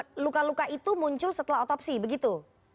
jadi luka luka itu muncul setelah otopsi begitu